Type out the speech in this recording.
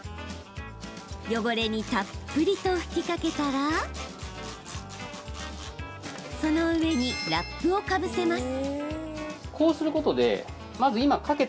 汚れに、たっぷりと吹きかけたらその上にラップをかぶせます。